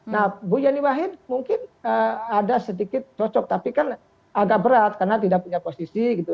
nah bu yeni wahid mungkin ada sedikit cocok tapi kan agak berat karena tidak punya posisi gitu